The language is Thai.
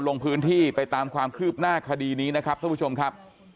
ลงพื้นที่ไปตามความคืบหน้าคดีนี้นะครับท่านผู้ชมครับ